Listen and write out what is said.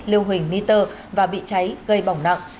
liêu hình niter và bị cháy gây bỏng nặng